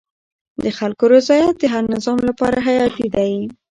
د خلکو رضایت د هر نظام لپاره حیاتي دی